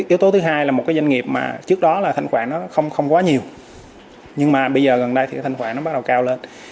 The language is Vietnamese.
yếu tố thứ hai là một cái doanh nghiệp mà trước đó là thanh khoản nó không quá nhiều nhưng mà bây giờ gần đây thì cái thanh khoản nó bắt đầu cao lên